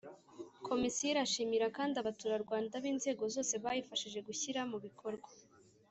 Komisiyo irashimira kandi Abaturarwanda b inzego zose bayifashije gushyira mu bikorwa